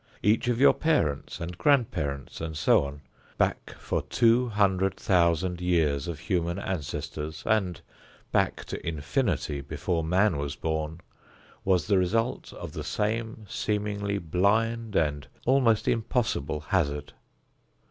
Each of your parents and grandparents and so on, back for two hundred thousand years of human ancestors, and back to infinity before man was born, was the result of the same seemingly blind and almost impossible hazard.